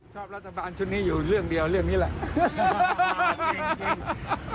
รัฐบาลชุดนี้อยู่เรื่องเดียวเรื่องนี้แหละ